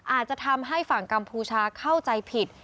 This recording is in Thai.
อาจจะทำให้ฝั่งกัมพูชาเข้าใจผิด